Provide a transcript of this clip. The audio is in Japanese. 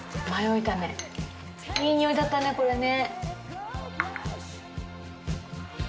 いい匂いだったねこれね。